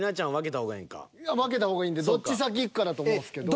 分けた方がいいんでどっち先いくかだと思うんすけど。